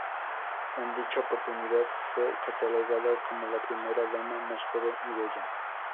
En dicha oportunidad fue catalogada como la primera dama más joven y bella.